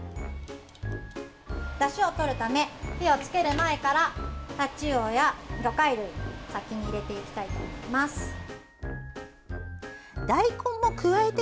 だしをとるため火をつける前からタチウオや魚介類先に入れていきたいと思います。